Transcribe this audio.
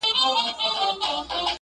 o دواړه هيلې او وېره په فضا کي ګډېږي,